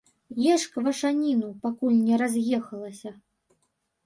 Еш квашаніну, пакуль не раз'ехалася.